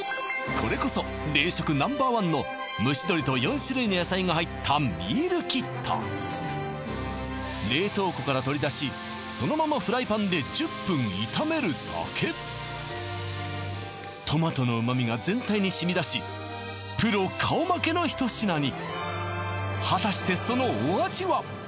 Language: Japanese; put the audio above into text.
これこそ冷食Ｎｏ．１の蒸し鶏と４種類の野菜が入ったミールキット冷凍庫から取り出しそのままトマトの旨味が全体に染み出しプロ顔負けのひと品に果たしてそのお味は？